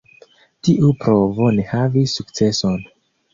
Tiu provo ne havis sukceson.